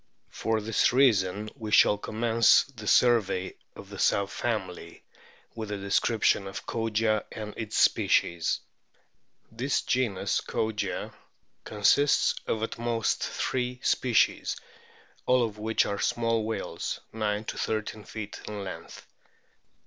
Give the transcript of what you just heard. For this reason we shall commence the survey of the sub family with a description of Kogia and its species. This genus, KOGIA, consists of at most three species, all of which are small whales 9 13 feet in 1 86 A BOOK OP WHALES length.